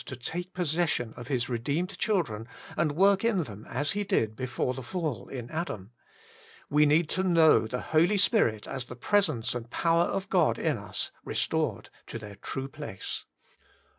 WAITING ON GOD/ 151 take possession of His redeemed cliildren and work in them as He did before the fall in Adam. We need to know the Holy Spirit as the Presence and Power of God in us restored to their true place.